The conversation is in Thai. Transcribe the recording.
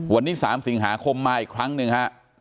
วันนี้๓สิงหาคมมาอีกครั้งหนึ่งฮะ